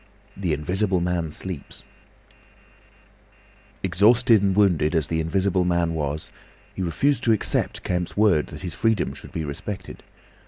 THE INVISIBLE MAN SLEEPS Exhausted and wounded as the Invisible Man was, he refused to accept Kemp's word that his freedom should be respected.